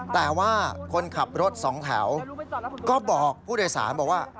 แต่ว่าคนขับรถสองแถวก็บอกผู้โดยสารบอกว่า